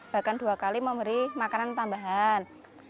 bahkan dua kali memberi makanan tambahan